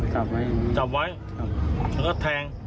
เขาก็ตัวตัวเทียบข้าง